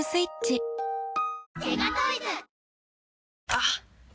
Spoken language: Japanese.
あっ！